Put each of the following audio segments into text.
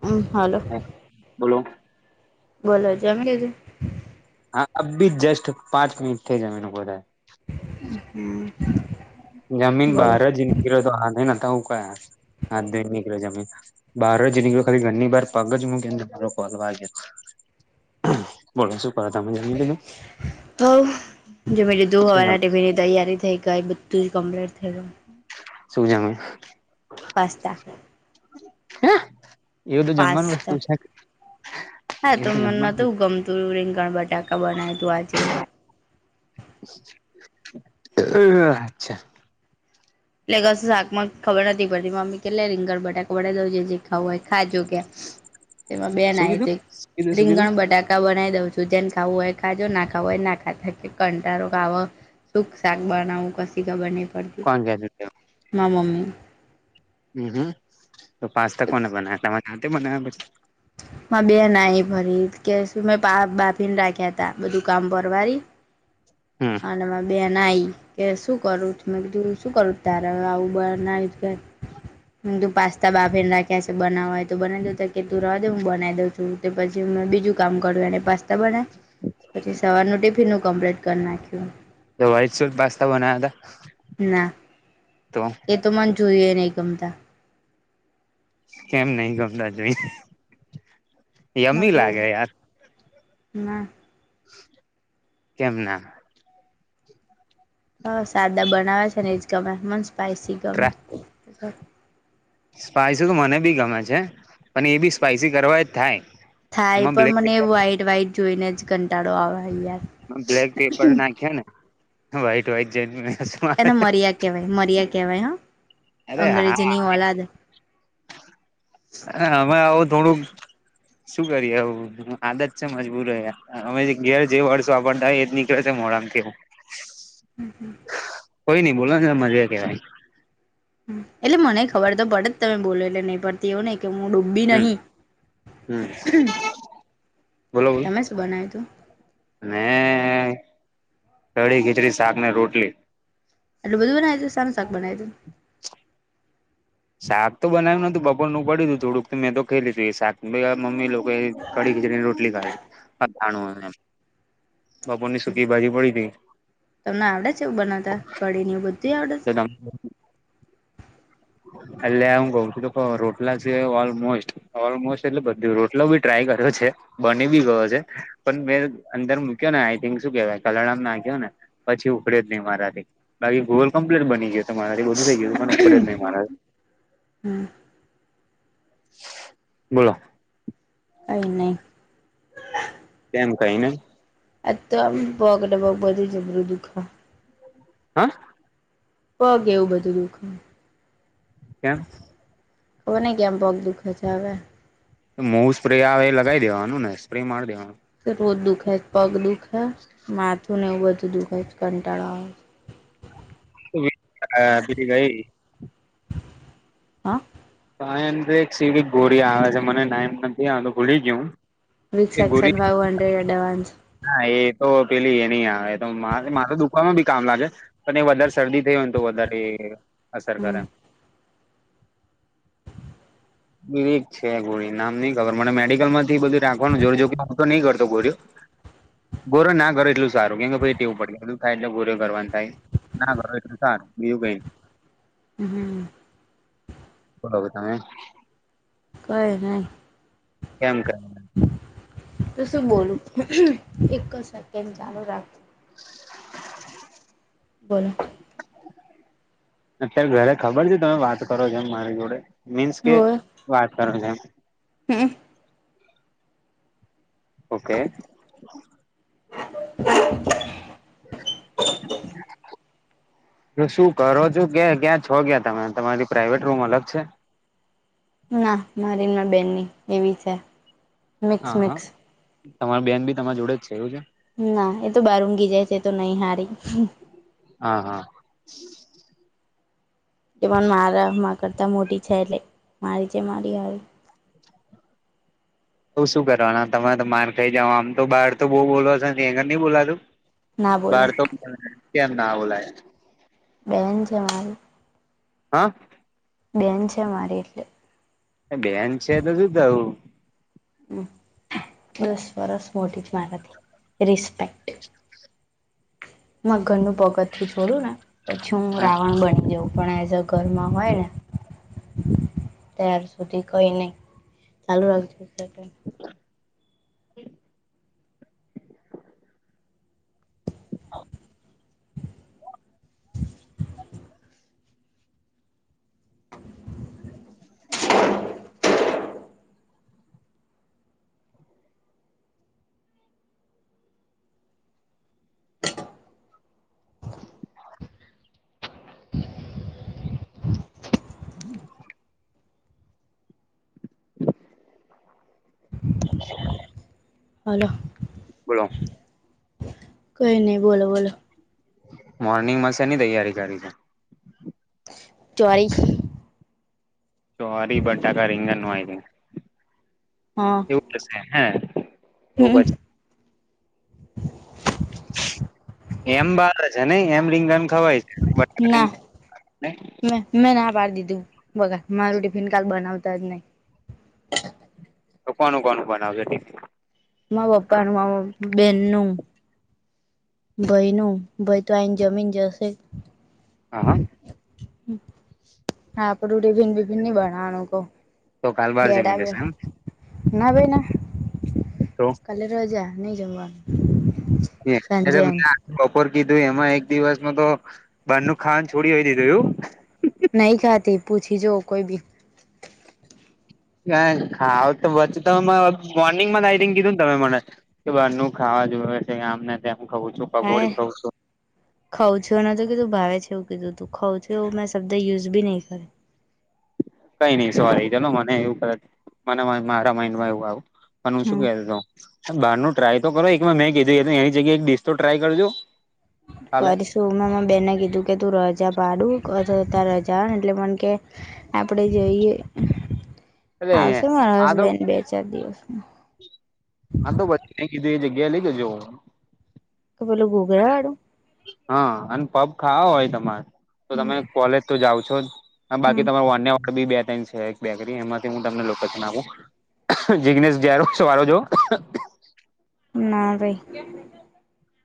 હમ્મ, hello. બોલો બોલો જમી લીધું? હા, અબી જસ્ટ પાંચ મિનિટ થઇ જમી ને ઉભો થયો. હમ્મ. જમીન બહાર જ નીકળ્યો તો હાથે નતા હતા હુકાયા હાથ ધોઈ નીકળ્યો જમીને. બહાર જ નીકળ્યો ખાલી ઘરની બાર પગ જ મૂકીને તારો કોલ વાગ્યો. બોલો શું? તમે જમી લીધું. હોવ જમી લીધું શું જમ હવારના ટિફિનની તૈયારી થઈ. કઈ બધું જ કમ્પલેટ થેલો. શું જમી. પાસ્તા. હે. જમવાનુ વસ્તુ પાસ્તા છે. હા, તો એ મને નથી તો જમવાનું ગમતું રીંગણ બટાકા બનાયુ તું આજે. અચ્છા. એટલે કસ શાકમાં ખબર નથી પડતી મમ્મી કે લે રીંગણ બટાકા બનાાવ દઉં જે જે ખાવું હોય ખાજો કે. તેમાં બેન શું આઈ કીધું તી શું કીધું શું કીધું રીંગણ બટાકા બનાવી દઉ છુ. તો જેન ખાવું હોય કાજો ના ખાવું હોય એ ના ખા કે કંટળો આવ. સુક શાક બનાવું કશી ખબરની પડ જેદિત્ય. માં મમ્મી. હમ્મ હ તો પાસ્તા કોને બનાવ્યા તમારે જાતે બનાવ્યા પછી. બે નાઈ ભરી કે શું મેં બા બાફીને રાખ્યા ત બધું કામ ભરવારી. હમ્મ. અને માં બેન આઈ કે શું કરું મેં કીધું શું કરું તારે આવું બનાયું છે. [inaudible] મે કીધું પાસ્તા બાફીને રાખ્યા છે બનાવા હોય તો હું બનાઈ દઉં તો કે તુ રેવા ડે હું બન બનાઈ દઉં છું પછી મે બીજું કામ કર્યું એણે પાસ્તા પાસ્તા બનાયા પછી સવારનું ટિફિનું કમ્પ્લીટ કરી નાખ્યું. તો વાઇટ સોસ પાસ્તા બનાયા હતા? ના એ તો મને જોઈએ ની ગમતા. કેમ નઈ ગમતા જોઈએ. નકરું ના. કેમ ના? હ, સાદા બનાવે છે ને જ ગમે મને સ્પાઈસી ટ્રા ગમે. સ્પાઈસી તો મને બી ગમે છે પણ એ બી સ્પાઈસી કરવા હોય તો થાય. થાય એમાં પણ બ્લેક મને પેપર વ્હાઈટ વ્હાઈટ જોઈને જ કંટાળો આવે યાર. બ્લેક પેપર નાખ્યો ને વ્હાઈટ વ્હાઈટ [unintelligible] એને મર્યા કહેવાય મર્યા કહેવાય હા અરે અંગ્રેજીની ઓલાદ. [inaudible] અરે હામે આવો થોડુક. શું કરીએ હ આદત છે મજબૂર રહ અમે ઘેર જે વર્ષો વાપરતા હોય એની. જો [unintelligible] હમ હમ. કોઈ ની બોલો ને મજા કેવાય. એટલે મને ખબર તો પડે જ તમે બોલો એટલે નઈ પડતી એવુ નઈ. ડોબ્બી હમ નહી. હમ બોલો બોલો તમે શું બનાવ્યું તું? ને કઢી, ખીચડી, શાકને રોટલી. એટલ બધું બનાય દુંારું શાક બનાય દું. શાક તો બનાવ્યું નતું બપોર નું પડ્યું તું થોડુંકથી મેં તો ખે લી તું એ શાક મમ્મી. કડીી ખીચડીની રોટલી ખાી જાણ. બાપર ની સુૂકી ભ બાજી પડી ત. તમને આવડે છે એવ બનાવતા ઘડીી એવ બધું આવડે. ડા. હ. એટલે હું કઉ છું તો રોટલા છે ઓલમોસ્ટ ઓલમોસ્ટ એટલે બધ રોટલો બી ટ્રાય કર્યો છે. બની બી ગયો છે પણ મેં અંદર મૂક્યો ને આઈ થિક શું કેવાય કલણમ નાખ્યો ને. પછી ઉડે જ નહીિ મારાથી બાકી ગોલ કમ્પ્લીટ બની ગયો તો મારાથી બધું થઈ ગયું. પણ ઉખડે જ નહી મારાથી હમ. બોલો. અ નહી. તેમમ કઈ ને. આ તો બકટ બગ બધી જરું દુઃખ. હા. પગ એવું બધું દુખ. કે્યા. ઓને ગયામ બહ દુખે છે આવેે. મોઉુ સ્પ્રે આવે એ લગાવી દેવાનું ને સ્પ્રે મારી દેવાનું. રોજ દુખ હૈ પગ દુઃખ હૈ. હ. માથું ને એવું બધું દુઃખાય છે કંટાળા હો હ બીડી ગઈ. હા. ક એમ તો એક સીવી ગોળ આવે છે મને નામ નથી આવતો ભૂલી ગયું. With section five hundred advance. નાા એ તો પેલી એ ન આવે તો મારે દુકવામાં બી કામ લાગે. પણ એ વધારે શરદી થઈ હોય ને તો વધારે અસર કરે. હમ બક છે ગોળી નામ નઈ ખબર મને મેડિકલ માંથી બધું રાખવાનું જરૂર જો કે હું તો નઈ કરતો ગોળી. [unintelligible] [inaudible] ગોરો ના કરો એટલું સારું કેમ કે પછી ટેવું પડે બધું થાય એટલે ગોરે કરવાનું થાય. ના ઘરો એટલું સાર બીયું કઈ. હ હમ. બલો તમે. કઈ નહી. એમ કર. તું શું બોલું એક સેકન્ડ ચાલું રાખજો. [inaudible] બોલો. અત્યારે ઘરે ખબર છે તમે વાત કરો જેમ મારી જોડે. મીન્સ કે વાત કરો છે. હમ. ઓકે. [inaudible] તો શું કરો છો ક ક્યાં છો ક્યા તમે તમારી પ્રાાઈવેટ રૂમ અલગ છે. ના મારીનમા બેનની એવી છે. મિક્સ હા મિક્સ હા તમારી બેન બી તમારા જોડે જ છે એવું છે. ના એ તો બહારઊઘી જાય છે તો નહી હારી હા હા. તે મને મારે માં કરતા મોટી છે એટલે મારી છે મારી હારે. તો શું કરવાના તમારતો માર ખાઈ જાવ આમ તો બાર તો બહુ બોલો છે નહી બોલાતું. ના બાર બોલાય તો કેમ ના ઓલાય બેન છે મારી. હાં. બેન છે મારી એટલે બેન છે તો શું થયું. હમ દસ વરસ મોટી જ મારતી રિસ્પેક્ટ મા ઘરનું પગથીયુ છોડું ને પછી હું હા રાવણ બની જાઉં પણ એઝ અ ઘરમાં હોય ને. ત્યાર સુધી કઈ નહી ચાલુ રાખજો. હું. [inaudible] [inaudible] [inaudible] [inaudible] મોક્ષ બી ના મલે. આલો. બોલો. કઈ નઈ બોલો બોલો. મોર્નિંગમાંશેની તૈયારી કરી છે. ચોરીશ. સરી બટા કરંગ નઈક હા. એવ છે હ હમ. એમ બાાર છે નઈ એમ રિંગન ખવાય છે બ ના એ મે મેં ના પાડી દીધું બગા મારું ટિફિન કાલ બનાવતા જ નહી. તો કોનું કોનું બનાવજ ટી મા પપ્પા ન મા બેન નું. ભાઈ ન ભાઈ તો આને જમીન જશે. હા હ. હા પણ રૂટી ભિન બ ભિન નહી બનાવાનું કહો. તો કાલ બાર જમી ડેડા બે લેશે એમ ના બેના તો હાલે રજા ન જાવ આ. એ એ બપોર કીધું એમાં એક દિવસમાં તો બાર નું ખાન છોડી હોય દીધું એવુ નહી કાતી પૂછી જો કોઈ ભી ક ખાવ તો પછી તમે મોર્નિંગ માં ઇટિંગ કીધું ને તમે મને કે બાર નું ખાવા જોવે છે કે આમ ને તેમ કવું છું. પકોડી હાય ખઉં છું ખઉં છુંને તો કીધું ભાવે છે એવું કીધું તું ખઉં છું એવું મેં શબ્દ યુઝ બી નહીં કરે. કઈ નહી સોરી ચલો મને એવું મને મારા માઈન્ડમાં એવું આવું. પણ હું શું હમ કેતો હતો બહાર ન ટ્રાય તો કરો એકમાં મેં કીધું હત એની જગ્યાએ એક ડિશ તો ટ્રાય કરજો. કાલે કરી શું મેંં બેને કીધું કે તું રજા પાડુ અથ ત રજા એટલે મને કે આપડે જોઈએ એટલે આવશે મારો હા તો હસબેન્ન બે ચાર દિવસમાં હા તો પછ મે કીધું એ જગ્યાએ લઈ જ જો કે પેલો ગોગ્યા વાડું. હા, અને પફ ખાવા હોય તમારે તો, તમે કોલેજ તો જાઓ છો જ. હ હમ બાકી તમારું વાન્યા વાળ બી બે ત છે એક બેકરી એમાં હું, તમને લોકેશન આપું. જિગ્નેશ જાર છો વારો જો. ના રે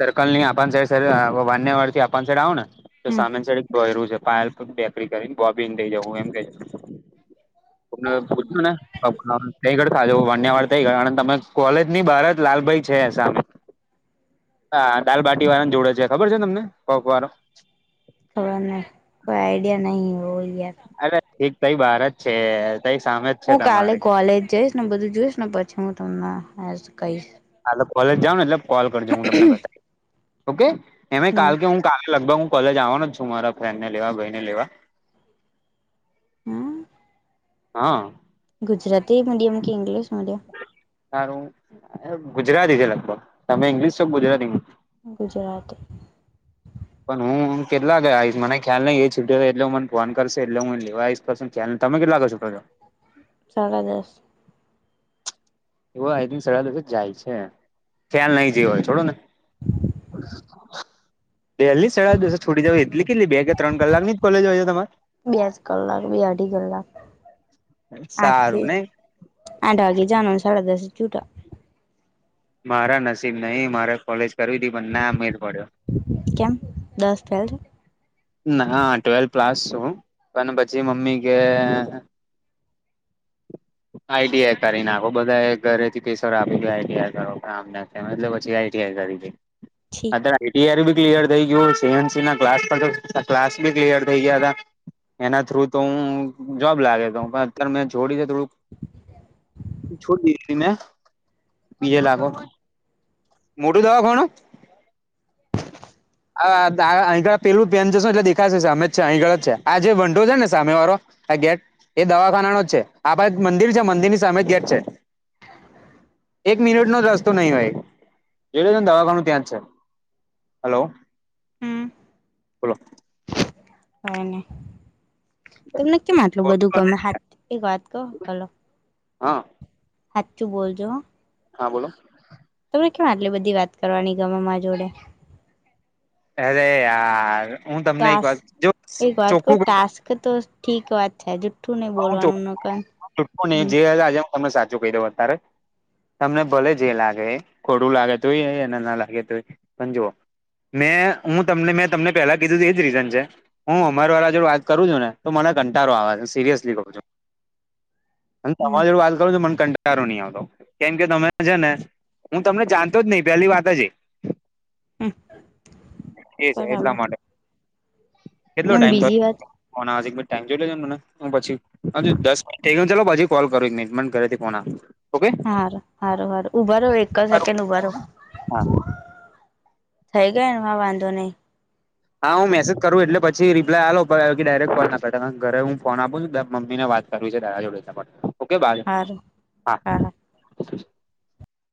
સર્કલ નહી આપ સાઈડ વાન્યવાડથી આપણ સાઈડ આવ ને તો હમ સામેની સાઈડ ડોયરું છે પાલૂ બેકરી કરીને બોબીન લઈ જવું એમ કે [unintelligible] થઈ કરતા જ વાંડયાવાર થઈ ગયા. તમે કોલેજની બહાર જ લાલભાઈ છે સામે હા, દાલબાટી વાળાને જોડે છે ખબર છે તમને? કોક વાળો ખબરને, કોઈ આઈડિયા નહી હોય. અરે! એક તઈ બહાર જ છે. તઈ સામે જ છે હું કાલે તમારી કોલેજ જઈશ, ને બધું જોઈશ ને પછી હું તમને કહીશ. હા, કોલેજ જાઉને એટલે કોલ કરજો. હું તમને બતાવી ઓકે. એ કાલ હમ કે હું કાલે લગભગ હું કોલેજ આવવાનો જ છું. મારા ફ્રેન્ડ ને લેવા, ભાઈ ને લેવા. હમ્મ હા. ગુજરાતી મીડિયમ કે ઇંગ્લિશ મીડિયમ? તારું ગુજરાતી છે લગભગ તમે ઈંગ્લિશ છો ગુજરાતી ગુજરાતી. પણ હું કેટલા વાગે આઈશ મને ખ્યાલ નહી. એ છૂટે એટલે મને ફોન કરશે, એટલે હું લેવા આવીશ. પછી તમે કેટલા વાગે છુટો છો? સાડા દસ. એવો આઈ થિક, સાડા દસે જ જાય છે. ખ્યાલ નહી રહ્યો હોય, છોડો ને. [inaudible] પહેલી જ સાડા દસની છોટી દેવાય, એટલી કેટલી બે કે ત્રણ કલાકની જ કોલેજ હોય, તમારે બે જ કલાક, બે અઢી કલાક, સારું આઠથી નઈ આઠ વાગ્યે જવાનું ને સાડા દસે છૂટા. મારા નસીબ નહી મારે કોલેજ કરવી તી પણ ના મેડ પડ્યો? કેમ દસ ફેલ છે? હા, ટ્વેલ્થ પાસ છું, પણ પછી મમ્મી કે આઈટીઆઈ કરી નાખો. બધા ઘરેથી પેસર આપી દ આઈટીઆઈ કરો. એ એટલે પછી આઈટીઆઈ કરી દે. છી અત્યારે આઈટીઆ બી ક્લિયર થઈ ગયું. સીએનસીના ક્લાસ પર ક્લાસ બી ક્લયર થઈ ગયા હતા. એના થ્રુ તો હું જોબ લાગે તો પણ અત્યારે મેં જોડીને થોડુંક [inaudible] છોડી દીધી ને બીજે લાખ મોટું દવા કોણ. [inaudible] અંળ પેલું પેન જશો એટલે દેખાશે અમે જ છે. અહીંગળ જ છે. આ જે વંડો છે ને સામે વાળો આ ગેટ એ દવાખાનાનો જ છે. આપણે મંદિર છે, મંદિરની સામે જ ગેટ છે. એક મિનિટ રસ્તો નહી હોય, જોઈ લેજોની દવાખાનું ત્યાં જ છે. હલો. હમ બોલો. હોને, તમને કેમ આટલું બધું ગમે એક વાત કો. હલો. હા. સાચું બોલજો. હા, બોલો. તમને કેમ? આટલી બધી વાત કરવાની ગમે મારી જોડે. અરે યાર. હું તમને એક ટાસ વાર જો એક વાત કહ ચોખ્ખું ટાસ્ક તો ઠીક વાત છે. જુઠ્ઠું નહી ન જો. બોલવાનું ક હમ આજે હું તમને સાચું કહી દઉં અત્યારે તમને ભલે જે લાગે ખોડું લાગે તોય અને ના લાગે તોય સમજો. મેં હું તમને મેં તમને પેલા કીધું તું એજ રીઝન છે. હું અમાર વાળ જો વાત કરું છું ને તો મને કંટારો આવે સિરિયસ હમ તમારે વા કર મ કં- - ારો નહી આવતો કેમ કે તમે છે ને હું તમને જાણતો જ નહી પેલી વાત જ એ હમ છે એટલા બરાબર માટે કેટલો એમ ટાઈમ બીજી વાત ટ જોઈ લેજ મને પછી હ દસ મિટ થઈ ગય ચાલો પછી કોલ કરોજમેન્ટ ઘરેથી ફ ઓકે હાર સાર હાર ઉભા રહો એક કરું સેકન્ડ ઉભા રહો. હા થઈ ગયા હ વાંધો નહીં. હા હું મેસેજ કરું એટલે પછ રીપલા આાલ આવ્યો કે ડાયરેક ફોલ ના પ ઘરે હું ફોન આપું છું મમ્મી ને વા કરવી છે તારા જોડે ઓકે ભાઈ હારું હા